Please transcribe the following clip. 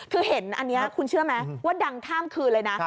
คือเห็นอันนี้คุณเชื่อไหมว่าดังข้ามคืนเลยนะ